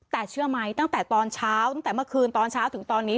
แต่เชื่อไหมตั้งแต่ตอนเช้าตั้งแต่เมื่อคืนตอนเช้าถึงตอนนี้